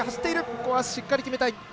ここはしっかり決めたい。